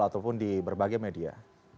ataupun di berbagai media